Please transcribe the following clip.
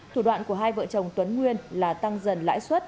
thủ đoạn của hai vợ chồng tuấn nguyên là tăng dần lãi suất